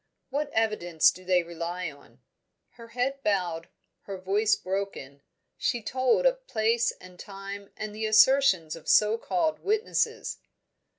"What evidence do they rely on?" Her head bowed, her voice broken, she told of place and time and the assertions of so called witnesses.